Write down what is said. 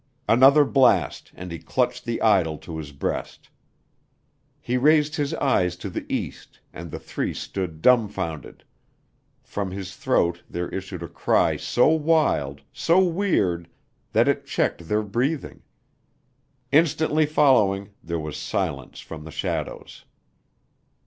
Another blast and he clutched the idol to his breast. He raised his eyes to the East and the three stood dumbfounded from his throat there issued a cry so wild, so weird, that it checked their breathing. Instantly following there was silence from the shadows.